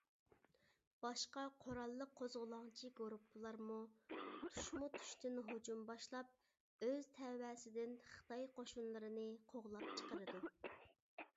باشقا قوراللىق قوزغىلاڭچى گۇرۇپپىلارمۇ تۇشمۇتۇشتىن ھۇجۇم باشلاپ، ئۆز تەۋەسىدىن خىتاي قوشۇنلىرىنى قوغلاپ چىقىرىدۇ.